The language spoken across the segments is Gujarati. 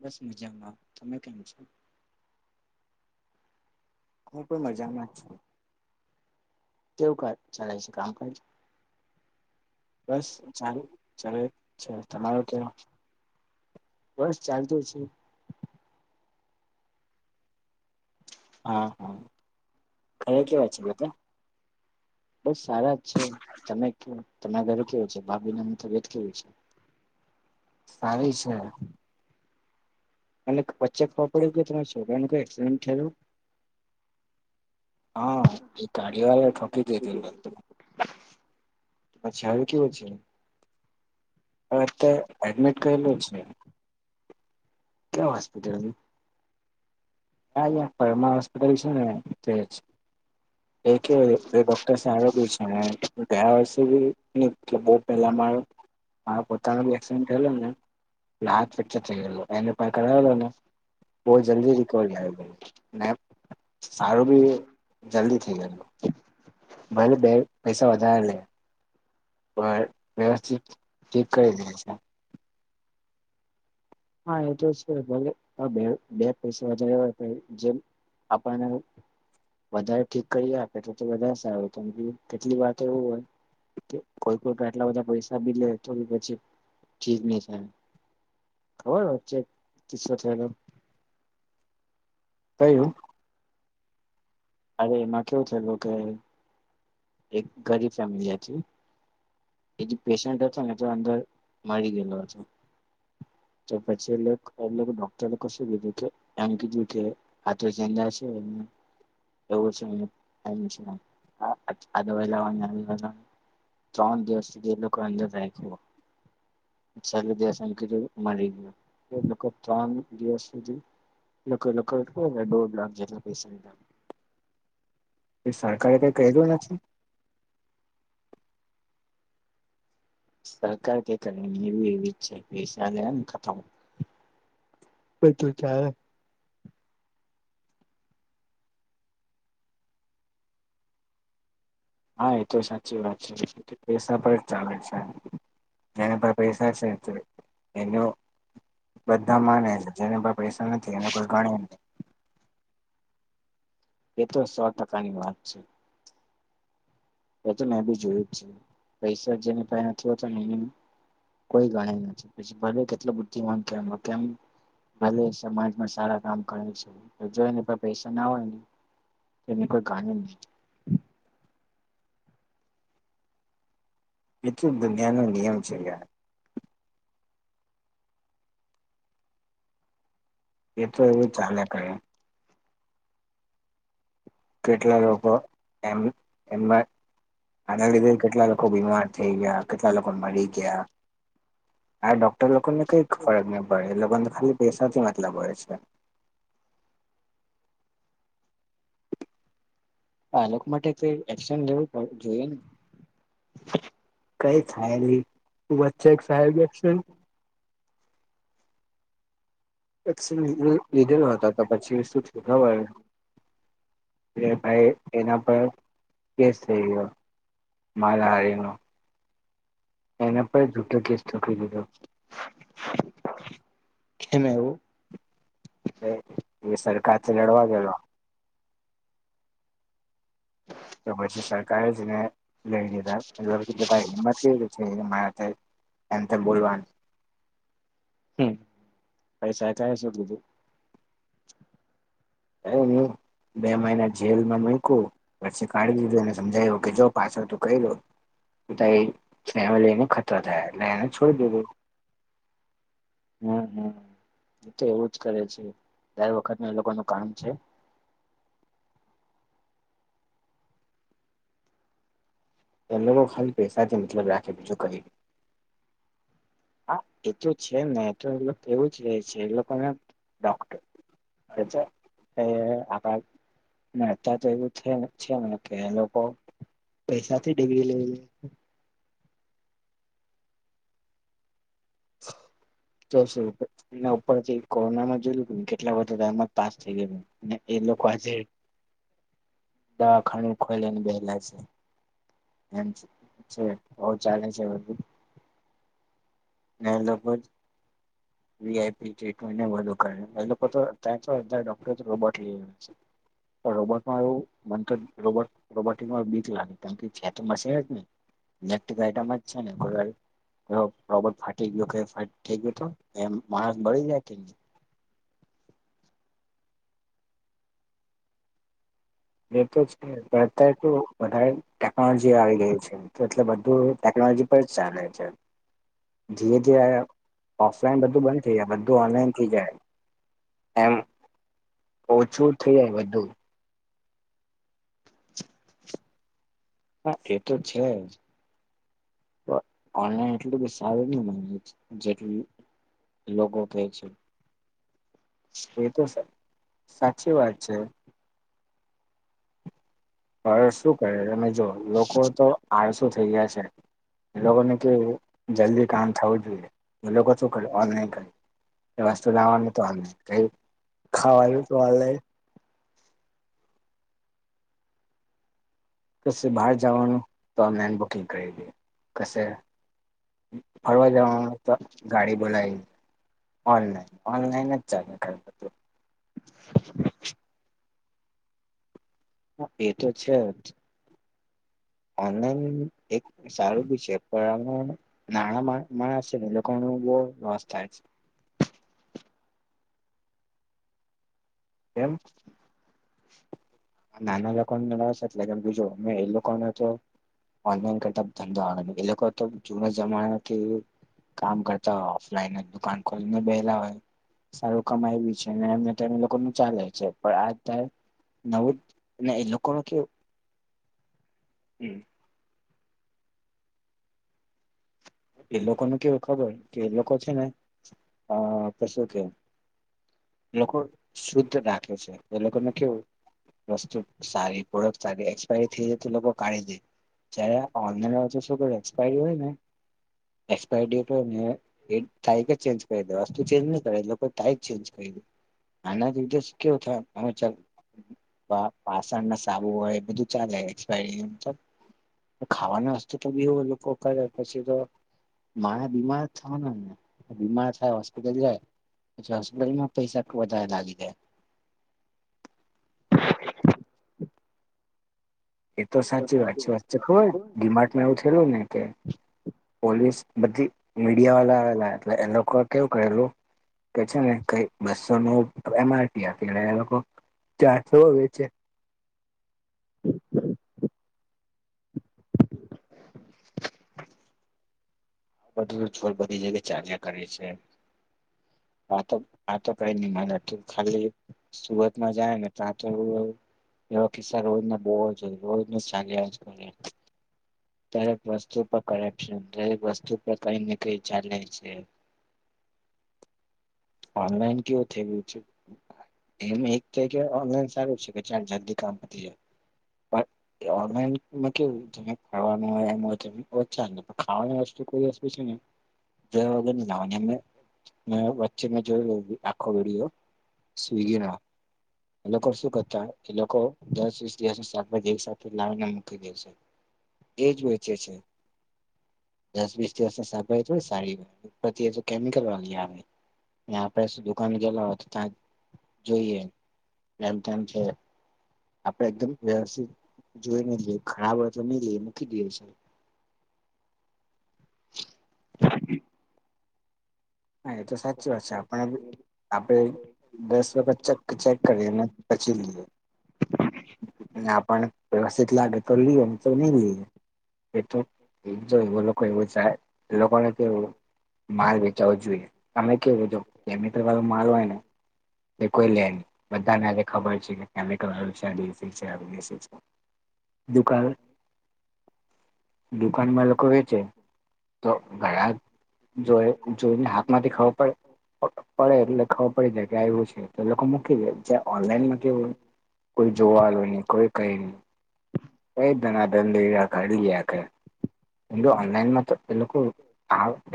બસ મજામાં તમે કેમ છો. હું પણ મજામાં છું. કેવું ક ચાલે છે કામકાજ બસ ચાલુ ચાલે છે તમારો કો બસ ચાલતું છે. હા હા ઘરે કેવા છે બધા બસ સારા જ છે તમે તમારા ઘરે કેવું છે ભાભી નામ તબિયત કેવી છે. સારી છે. અને પચે ખર પડી્યું કે તમારા છોકરા ને કઈ એક્સિડ થયો હા એ ગાડી વાળ ઠોકી દીધુલુ અચ્છા હવે કે હ છે. હ અત્યારેએડમિટકરેલુો છે. કયા હોસ્પિટલ હતું. હા અયા પરમાર હોસ્પિટલ છે ને તે જ એ કે ડોક્ટર સારો બી છે ને ગયા વર્ષે બી ન બહ પેલા પોતાનો બી એસિડેન્ટ થયેલો ને હાથ ફક્ચર થઈ ગએલુનો એને પાસે કરાએલો તોબવ જલ્દી રિકવરી આવેલી ને સારું બી જલ્દી થઈ ગએલુ. ભલે બે પૈસા વધારેા લે પણ વ્યવસ્થિત ઠીક કરી દે છે. હા એ તો જ ભલે બે બે પૈસા વધારે જેમ આપણને વધારે ઠીક કરીએ આપે તો તો વધારે સારું કેટલી વાતો એવું હોય કે કોઈ કોઈ પણ આટલા બધા પૈસા બી લે તો પછી ચીજ નહી થાય ખબર એક કિસ્સો થયલો કહીયું અરે એમાં કેવું થયેલું કે એક ગરીબ ફેમિલી હતી એ જે પેશન્ટ હતો ને તો અંદર મરી ગયેલો હતો [inaudible] તો પછી એ ડોક્ટરે કશું કીધું કે એમ કીધું કે આ તો જીનદા છે એવું છે એમ છે હા આ પલા ત્રણ દિવસ સુધી એ લોકો અંદર રાખ્યો છે છેલ્લો દિવસ મરી ગયો એ લોકો ત્રણ દિવસ સુધી લકર લકડને દોઢ લાખ જેટલા પૈસા લીધા એ સરકારે કઈ કર્યું નથી સરકાર કે કર એવી એવી છે પૌસા લે ખતમ બધું ચાલે હા એ તો સાચી વાત છે પૈસા પર ચાલે છે ન એ પૈસા છે એનો બધા માને છે જેને પર પૈસા નથી એને કોઈ ગણ નહી એ તો સો ટકાની વાત છે એ તો મેં બી જોયું જ છે પૈસા જેને પાય નથી હોતો ને એની કોઈ ગણ નથી પછી ભલે કેટલો બુદ્ધિમાન કે કેમ ભલે સમાજમાં સારા કામ કરે છે તો જોઈ ને પૈસા ના હોયને એની કોઈ ગણે નહી એતો દુનિયાનો નિયમ છે યાર એ તો એવું ચાલયા કરે કેટલા લોકો એમ એમમાં આના લીધે કેટલા લોકો બીમાર થઈ ગયા કેટલા લોકો મરી ગયા આ ડોક્ટર લોકોને કઈક ફરક ન પડે એ લોકોને ખાલી પૈસાથી મતલબ હોય છે [inaudible] આ લોકોક માટે કઈ એક્શન લેવુંડ જોઈએને કઈ થાય નહી વચ્ચે એક સાહેબશે લીધેલો હતા પછી શું થયું ખબર એ ભાઈ એના પર કેસ થઈ ગયો મારા હારીનો [unintelligible] [unintelligible] એ સરકાર થી લડવા ગયલો તો પછી સરકારે જને લઈ દીધા એ બધા હિંમત કેવી રીતે એમતે બોલવાની હ પૈસા કાય શું ખીધું કઈ નહી બે મહિના જેલમાં મુકયો પછી કાઢી દીધું અનેને સમજાયું કે જો પાછળ તું કયું ત એ ફેમલીને ખતરો થાય એટલે એને છોડી દીધું હમ હમ તો એવું જ કરે છે દર વખત ના એ લોકો ન કામ છે [inaudible] એ લોકો ખાલી પૈસાથી મતલબ રાખે બીજું કરી હા એ તો છે ને તો એ લોકો કેવું જ છે એ લોકોને ડોક્ટર એ છે એ આ ન અત્યાર તો એવું છે ને છે ને કે લોકો પૈસાથી ડિગ્રી લઈ લે [inaudible] તો શું [inaudible] એના ઉપરથી કોરોનામાં જોયલું કે કેટલા બધા એમજ પાસ થઈ ગયેલા એ લોકો આજે [inaudible] દવાખાનું ખોલીને બેહેલા છે એમ છ છે બવ ચાલે છે બધું એ લોકોજ વીઆઈપી ટ્રીટમેન્ટને બધુ કરે એ લોકો તો ત્યાં તો અધા ડોક્ટર તો રોબોટ લઈ છે. પણ રોબોટમાં એવું મન તો રોબોટ રોબોટ બીક લાગે કેમ છે તો મશિન જ ને [unintelligible] ગઈટમાં જ છે ને રોબર્ટ ફાટી ગયો કે ફા થઈ ગયું તો એમ માણસ બળી જાય કે ની એ તો છે પણ અત્યારે કેવું વધારે ટેકનોલોજી આવી ગઈ છે, એટલે બધું હજી પણ ચાલે છે. ધીરે ધીરે ઓફલાઈન બધું બંધ થઈ જાહે બધું ઓનલાઈન થઈ જાય એમ ઓછું થય જાય બધુ હા એતો છે જ અને એટલું બી સારું ની મળે જેટલું લોકો કહે છે. એ તો સાચી વાત છે. પર શું કરે તમે જો લોકો તો આળસું થઈ ગયા છે. એ લોકોને કેવુ જલ્દી કામ થવું જોઈએ એ લોકો શું કર્યું ઓનલાઈ કર્યું એ વસ્તુ લાવાનુ તો કઈ ખાવાયુ તો કશે બહાર જવાનું તો ઓનલાઈન બુકિંગ કરી દઈ કશે ફરવા જવાનું તો ગાડી બોલાવી ઓનલાઈન ઓનલાઈન જ ચાલુ કરતા [inaudible] હ એ તો છે જ અનંત. એક સારું બી છે પણ આમા નાના માણ માણસ છે ને લોકો બો લોસ થાય છે. કેમ. નાના લોકોને મળશે એટલે કે બીજું મે એ લોકોને તો ઓનલાઈન કરતા ધંધો આવે એ લોકો તો જૂના જમાનાથી કામ કરતા હોય ઓફલાઈન દુકાન ખોલીને બેહલા હોય સારું કમાયવુ છે ને એમને તેમ એ લોકોનુ ચાલે છે, પણ અત્યારે નવું ને એ લોકોનુ કેવું હમ. એ લોકોનુ કેવું ખબર કે એ લોકો છે, ને અ પણ શું કે લોકો શુદ્ધ રાખે છે, એ લોકોને કેવું વસ્તુ સારી પ્રોડક્ટ સારી એક્સપાયરી થઈ જાય તો લોકો કાઢી દે જયારે ઓનલાઈન વારા તો શું કર એક્સપાયરી હોય ને [inaudible] એક્સપાયરી ડેટ હોય ને એ તારીખ જ ચેન્જ કરી દે વસ્તુ ચેન્જની કરે એ લોકો તારીખ ચેન્જ કરી દે આના જ વિદેશ કેવું થાય અમે ચ પા પાસણ ના સાબુ હોય બધું ચાલે એક્સપાયરી તો ખાવાનું તો બી એવો લોકો કરે પછી તો માણહ બીમાર જ થવાના ને બીમાર થાય હોસ્પિટલ જાય પછી હોસ્પિટલમાં પૈસા વધારે લાગી જાય [inaudible] [inaudible] એ તો સાચી વાતી વાત છે, ખબર ડિમાટમાં એવું થયેલું ને કે પોલીસ મીડિયા વાળલા આવેલા એટલે એ લોકો કેવું કરેલું, કે છે ને કઈ બસો નો એમાં પ એ લોકો ચારસ વે છેે, [unintelligible] હા, બધું છોડ બધી જગ્યા ચાલ્યા કરીે છે, હા તો હા તો કઈ નહી માને તું ખાલી સુરતમાં જાય, ને તો આ તો એવાો કિસ્સા રોહિતને બોવો જોઈએ રોહિત ન ચાલજ કરે દરેક વસ્તુ પર કરપ્શન દરેક વસ્તુ પર કઈ ને કઈ ચાલે છે, [unintelligible] ઓનલાઈન કેવું થઈ ગયું છે. એમ એક થાય કે ઓનલાઈન સારું છે, કે ચાર જલ્દી કામ થતી જાય, પણ ઓનલઈન માં કેવું ખરવાનું હોય એમ હોય ઓછા પણ ખાવાની વસ્તુ કોઈ છે, નયા વગરવા જે મેં જોય લઉ આખો વિડીિયો સ્વગી ન એ લોકો શું કરતા એ લોકો દસ વીસ દિવસ શાકભાજી એક સાથે લાવીને મૂકી દેશે, એજ વેચે છે દસ બીસ દસ ભાઈ થ સારીતિ તો કેમિકલ વાળી આવે આપડે શું દુકાન ગયેલા હોય તો ત્યાં જોઈએ, એમ કેમ છે, આપડે એકદમ વ્યવસ્થિત જોઈને ખરાબ હો તો નહી લઈએ મૂકી દઈએ છે. [unintelligible] હા, એ તો સાચી વાત છે આપણે આપણે દસ વખત ચ ચેક કરી પછી, આપણે લાાગે તો લ તો ન લઈ એ જો એવ લોકો એવ જાય લેગ મા વ્યક્ જવ જોઈએ તમે કેજો કે મિત્ર વા માલ હોય, ને તે કોઈ લે નહી બધા ને આજે ખબર છે, કે ક [unintelligible] [unintelligible] દુકાનમાં લોકો વેચે તો ઘણા જો ચોરીને હામાંથી ખાવા પડે પડે એટલે ખબર પડી જાય કે આવું છે, તો લોકો મૂકી દે ઓનલાઈનમાં કેવું, કોઈ જોવાલ નહી કોઈ કઈ નહી, કઈ ધનાધન લઈ ઘાઢ ગયા કે એ ઓનલાઈનમાં તો એ લોકો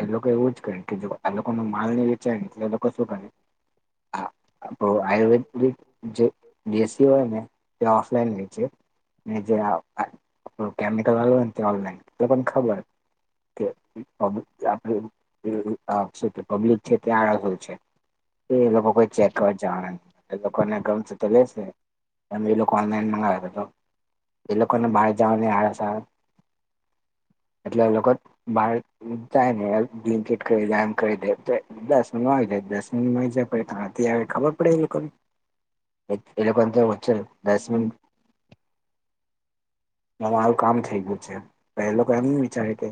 એ લોકો એવું, આ લોકો ન માલ ન વેચ એ લોકો શું કરે, હા, આપ આયુર્વેદિક જેસી હોય ને તે ઓફલાઈન છે, જે કેમિકલ આવેયને ઓનલાઈન એ પણ ખબર કે આપ શ પબ્લિક છે ત્યા આળધય છે એ એ લોકો કોઈ ચેક કરવા જવાના ન એ લોકોને અગઉ તો લેશે, એ એ લોકો ઓનલાઈન મંગાવ્યા એ લોકોને બહાર જવાની આળસ આવે, એટલે લોકો બાર જાય ને દે એમ ક દે દસમ જાય દસમ જ આવે ખબર પડે એ લોકોને એટલે કોતા વચ દસમીન મારું કામ થઈ ગયું છે, પ એ લોકો એમ વિચારે કે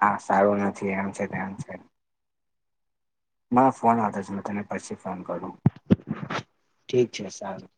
હા, સારું નથી એમ છે તેમમ છે, મા ફોન આવ જ મેને તને પછી ફોન કરું, ઠીક છે, સારું